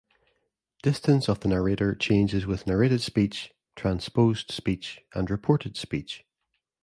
Distance of the narrator changes with narrated speech, transposed speech and reported speech.